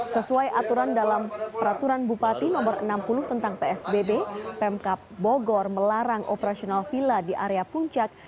sesuai aturan dalam peraturan bupati no enam puluh tentang psbb pemkap bogor melarang operasional villa di area puncak